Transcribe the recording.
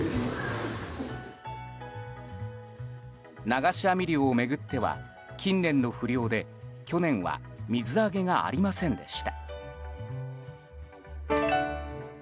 流し網漁を巡っては近年の不漁で去年は水揚げがありませんでした。